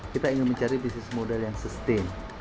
kita ingin mencari bisnis model yang sustain